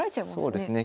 そうですね。